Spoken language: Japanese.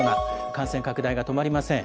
感染拡大が止まりません。